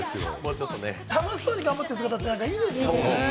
楽しそうに頑張ってる姿って、いいですね。